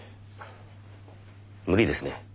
無理ですね。